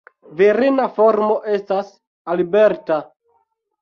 Virina formo estas "Alberta".